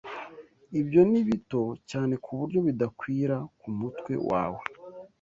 Ibyo ni bito cyane kuburyo bidakwira ku mutwe wawe.